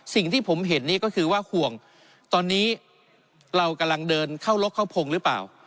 สิ่งที่ผมเห็นนี่ก็คือว่าห่วงตอนนี้เรากำลังเดินเข้าลกเข้าพงหรือเปล่า